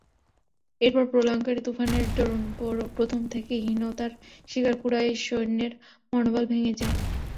এরপর প্রলয়ংকরী তুফানের দরুন প্রথম থেকেই হীনতার শিকার কুরাইশ সৈন্যের মনোবল ভেঙ্গে যায়।